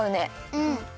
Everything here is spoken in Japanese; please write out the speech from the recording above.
うん。